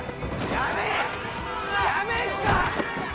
やめんか！